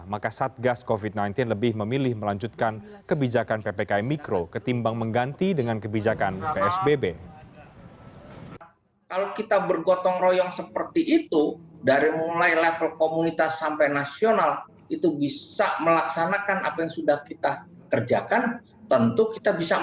maka satgas covid sembilan belas lebih memilih melanjutkan kebijakan ppkm mikro ketimbang mengganti dengan kebijakan psbb